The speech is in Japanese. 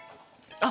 あっ！